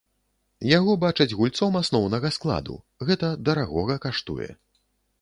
Яго бачаць гульцом асноўнага складу, гэта дарагога каштуе.